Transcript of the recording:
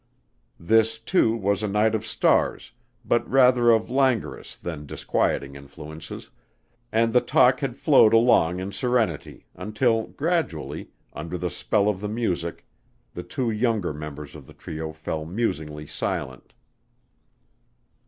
This, too, was a night of stars, but rather of languorous than disquieting influences, and the talk had flowed along in serenity, until gradually, under the spell of the music the two younger members of the trio fell musingly silent.